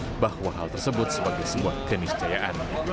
menyatakan bahwa hal tersebut sebagai sebuah keniscayaan